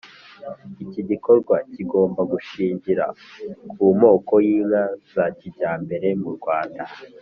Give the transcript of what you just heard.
iki gikorwa kigomba gushingira ku moko y'inka za kijyambere mu rwanda.